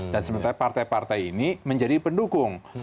dan sementara partai partai ini menjadi pendukung